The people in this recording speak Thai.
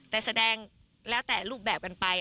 แต่แสดงแล้วแต่รูปแบบกันไป